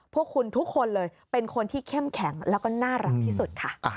พวกคุณทุกคนเลยเป็นคนที่เข้มแข็งแล้วก็น่ารักที่สุดค่ะ